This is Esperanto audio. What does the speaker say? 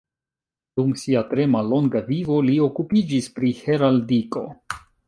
Dum sia tre mallonga vivo li okupiĝis pri heraldiko.